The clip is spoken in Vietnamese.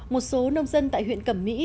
một số nông dân tại huyện cẩm mỹ